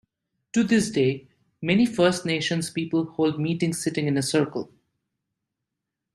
To this day, many First Nations people hold meetings sitting in a circle.